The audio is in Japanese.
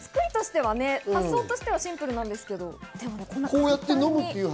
発想としてはシンプルですけど、簡単に。